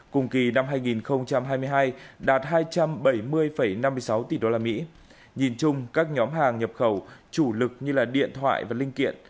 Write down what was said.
cùng kỳ năm hai nghìn hai mươi hai đạt hai trăm bảy mươi năm mươi sáu tỷ đô la mỹ nhìn chung các nhóm hàng nhập khẩu chủ lực như là điện thoại và linh kiện